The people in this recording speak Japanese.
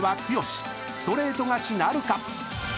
［ストレート勝ちなるか？］